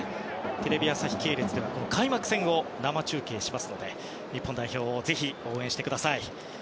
テレビ朝日系列では開幕戦を生中継しますので日本代表をぜひ応援してください。